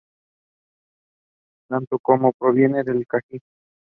Tanto き como キ provienen del kanji 幾.